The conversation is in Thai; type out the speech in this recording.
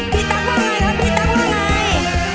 ตั๊กว่าไงครับพี่ตั๊กว่าไง